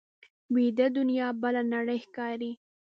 ویده دنیا بله نړۍ ښکاري